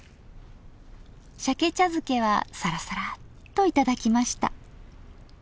しゃけ茶漬けはサラサラッと頂きました。